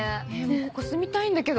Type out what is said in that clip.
ここ住みたいんだけど。